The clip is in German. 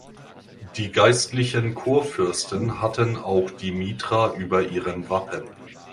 Die geistlichen Kurfürsten hatten auch die Mitra über ihrem Wappen.